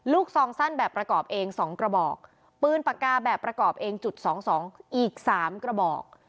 ลูกซองสั้นแบบประกอบเอง๒กระบอกปืนปากกาแบบประกอบเอง๒๒อีก๓กระบอก